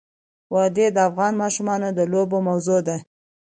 وادي د افغان ماشومانو د لوبو موضوع ده.